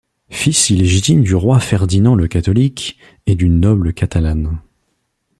Fils illégitime du roi Ferdinand le Catholique et d'une noble catalane.